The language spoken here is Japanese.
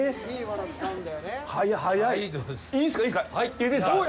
入れていいんですか！？